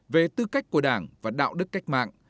về tư cách của đảng và đạo đức cách mạng